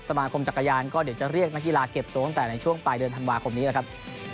มาคมจักรยานก็เดี๋ยวจะเรียกนักกีฬาเก็บตัวตั้งแต่ในช่วงปลายเดือนธันวาคมนี้แหละครับ